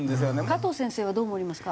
加藤先生はどう思われますか？